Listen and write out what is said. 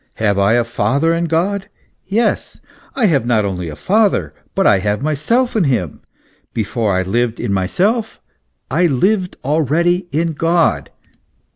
Have I a father in God ? Yes, I have not only a father, but I have myself in Him ; before I lived in myself, I lived already in God."